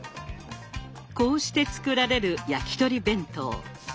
こうして作られる焼き鳥弁当。